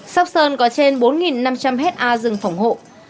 sóc sơn có trên bốn năm trăm linh hectare rừng phòng hộ